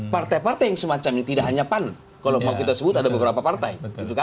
partai partai yang semacam ini tidak hanya pan kalau mau kita sebut ada beberapa partai